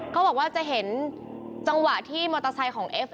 เขาบอกว่าจะเห็นจังหวะที่มอเตอร์ไซค์ของเอฟ